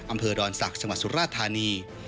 อำเภอดอนศักดิ์จังหวัดสุราธานี